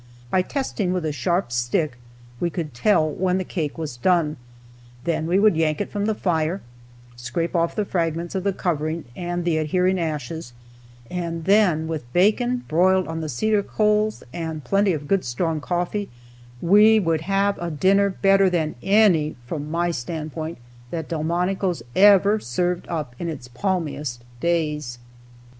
By testing with a sharp stick we could tell when the cake was done, then we would yank it from the fire, scrape off the fragments of the covering and the adhering ashes, and then, with bacon broiled on the cedar coals, and plenty of good strong coffee, we would have a dinner better than any (from my standpoint) that Delmonico's ever served up in its palmiest days.